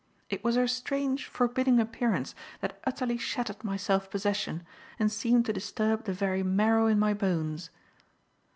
It was her strange, forbidding appearance that utterly shattered my self possession and seemed to disturb the very marrow in my bones.